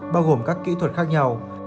bao gồm các kỹ thuật khác nhau